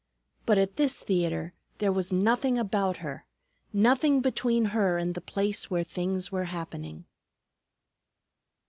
But at this theatre there was nothing about her, nothing between her and the place where things were happening.